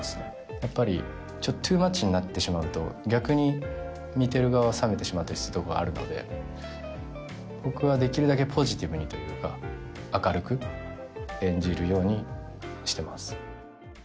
やっぱりトゥーマッチになってしまうと逆に見てる側は冷めてしまったりするところがあるので僕はできるだけポジティブにというか明るく演じるようにしてます